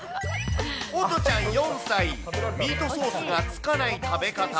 おとちゃん４歳、ミートソースがつかない食べ方。